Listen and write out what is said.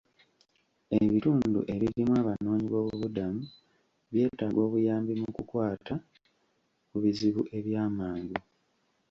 Ebitundu ebirimu Abanoonyi b'obubudamu byetaaga obuyambi mu kukwata ku bizibu ebyamangu.